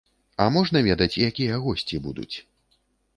А можна ведаць, якія госці будуць?